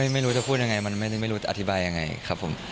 ไม่รู้จะพูดยังไงมันไม่รู้จะอธิบายยังไงครับผม